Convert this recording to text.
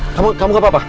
kamu gak apa apa